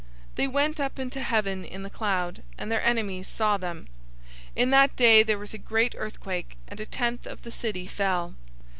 They went up into heaven in the cloud, and their enemies saw them. 011:013 In that day there was a great earthquake, and a tenth of the city fell.